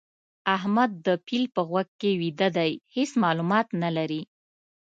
احمد د پيل په غوږ کې ويده دی؛ هيڅ مالومات نه لري.